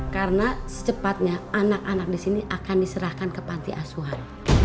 karena secepatnya anak anak di sini akan diserahkan ke panti asuhan